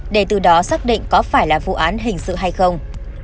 để từ đó xác định có phải là vụ án hình sự hay không